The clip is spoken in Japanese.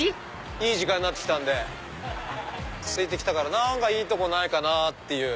いい時間になってきたんですいてきたからいいとこないかなぁっていう。